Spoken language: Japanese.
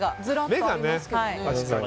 目が。